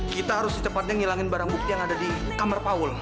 kita harus secepatnya ngilangin barang bukti yang ada di kamar paul